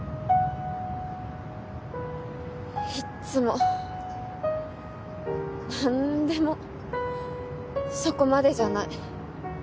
いつも何でもそこまでじゃない。